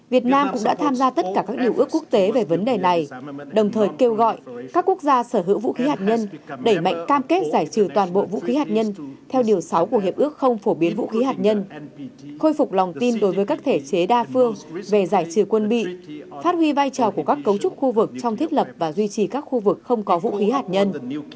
việt nam cũng đã tham gia tất cả các điều ước quốc tế về vấn đề này đồng thời kêu gọi các quốc gia sở hữu vũ khí hạt nhân đẩy mạnh cam kết giải trừ toàn bộ vũ khí hạt nhân theo điều sáu của hiệp ước không phổ biến vũ khí hạt nhân khôi phục lòng tin đối với các thể chế đa phương về giải trừ quân bị phát huy vai trò của các cấu trúc khu vực trong thiết lập và duy trì các khu vực không có vũ khí hạt nhân